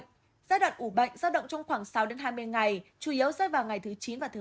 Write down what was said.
giai đoạn ủ bệnh giao động trong khoảng sáu hai mươi ngày chủ yếu rơi vào ngày thứ chín và thứ sáu